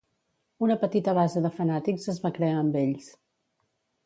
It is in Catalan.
Una petita base de fanàtics es va crear amb ells.